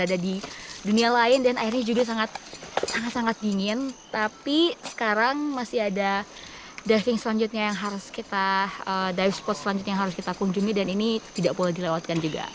hari ini juga sangat sangat dingin tapi sekarang masih ada diving spot selanjutnya yang harus kita kunjungi dan ini tidak boleh dilewatkan juga